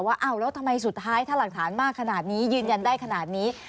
อ้าวแล้วทำไมสุดท้ายถ้าหลักฐานมากขนาดนี้ยืนยันได้ขนาดนี้